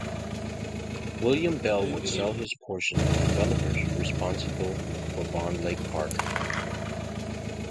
William Bell would sell his portion to developers responsible for Bond Lake Park.